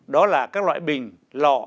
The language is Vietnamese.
đó là các loại bình lọ